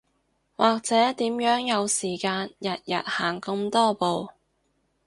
或者點樣有時間日日行咁多步